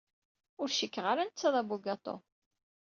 Ur cikkeɣ ara netta d abugaṭu.